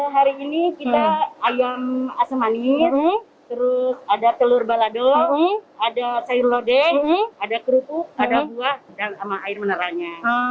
hari ini kita ayam asam manis telur balado sayur lodeng kerupuk buah dan air meneranya